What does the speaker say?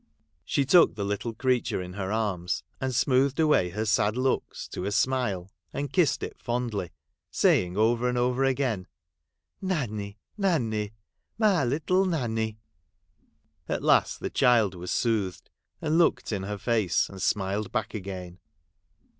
She took the little creature in her arms, and smoothed away her sad looks to a smile, and kissed it fondly, saying over and over again, 'Nanny, Nanny, my little Nanny.' At last the child was soothed, and looked in her face and smiled back again.